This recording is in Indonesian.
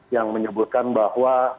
yang menyebutkan bahwa